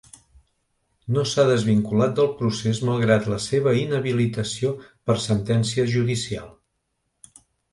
No s’ha desvinculat del procés malgrat la seva inhabilitació per sentència judicial.